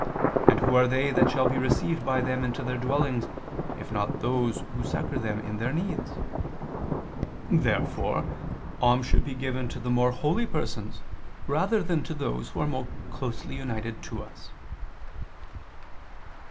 And who are they that shall be received by them into their dwellings, if not those who succor them in their needs?" Therefore alms should be given to the more holy persons rather than to those who are more closely united to us.